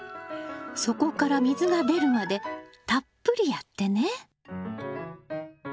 底から水が出るまでたっぷりやってね。